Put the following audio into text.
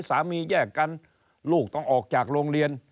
แยกกันลูกต้องออกจากโรงเรียน